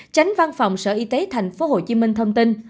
tránh văn phòng sở y tế tp hcm thông tin